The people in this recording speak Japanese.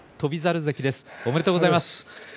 ありがとうございます。